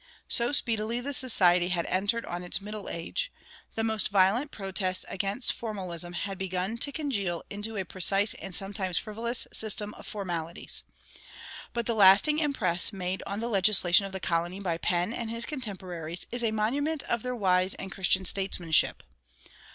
So speedily the Society had entered on its Middle Age;[143:3] the most violent of protests against formalism had begun to congeal into a precise and sometimes frivolous system of formalities. But the lasting impress made on the legislation of the colony by Penn and his contemporaries is a monument of their wise and Christian statesmanship.